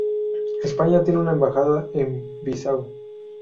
España tiene una embajada en Bissau.